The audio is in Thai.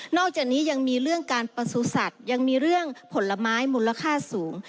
อกจากนี้ยังมีเรื่องการประสุทธิ์ยังมีเรื่องผลไม้มูลค่าสูง